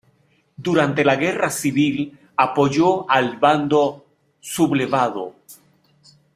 Durante la Guerra Civil apoyó al bando sublevado.